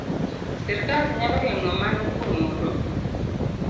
Sirkal nyalo geng'o mano kuom oro